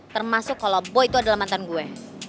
termasuk kalau boy itu adalah mantan gue